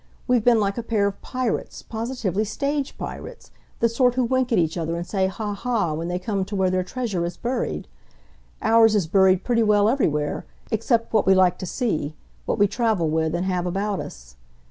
We've been like a pair of pirates positively stage pirates, the sort who wink at each other and say 'Ha ha!' when they come to where their treasure is buried. Ours is buried pretty well everywhere except what we like to see, what we travel with and have about us.